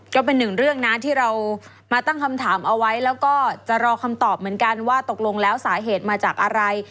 ก็เป็นหนึ่งเรื่องนะที่เรามาตั้งคำถามเอาไว้แล้วก็จะรอคำตอบเหมือนกันว่าตกลงแล้วสาเหตุมาจากอะไร